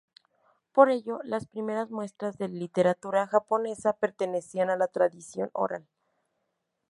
Por ello, las primeras muestras de literatura japonesa pertenecían a la tradición oral.